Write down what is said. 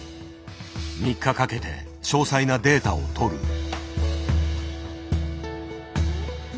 ３日かけて詳細なデータをとる。